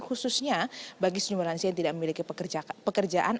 khususnya bagi sejumlah lansia yang tidak memiliki pekerjaan